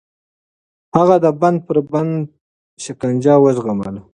هغه د بند پر بند شکنجه وزغمله.